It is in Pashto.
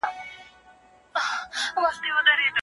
د ضرورت په وخت کي مرسته فرض ده.